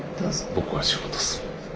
僕は仕事する。